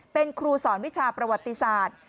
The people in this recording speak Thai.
เป็นครูสอนวิชาประวัติศาสตร์